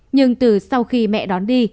nhưng từ sau khi mẹ đón đi